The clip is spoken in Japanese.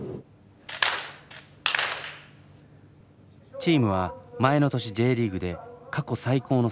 チームは前の年Ｊリーグで過去最高の成績を収め